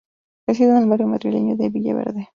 Reside en el barrio madrileño de Villaverde.